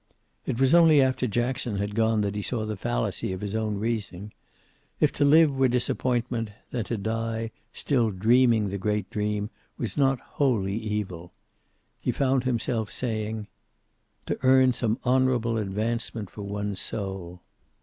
It was only after Jackson had gone that he saw the fallacy of his own reasoning. If to live were disappointment, then to die, still dreaming the great dream, was not wholly evil. He found himself saying, "To earn some honorable advancement for one's soul."